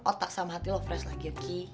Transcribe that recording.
otak sama hati lo fresh lagi ya ki